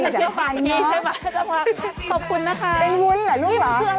เชื่อปากพี่ใช่ไหม